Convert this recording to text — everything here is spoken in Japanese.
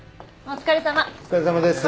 お疲れさまです。